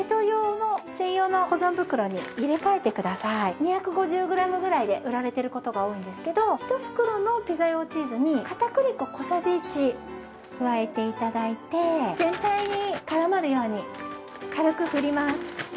２５０グラムぐらいで売られてる事が多いんですけど１袋のピザ用チーズに片栗粉小さじ１加えて頂いて全体に絡まるように軽く振ります。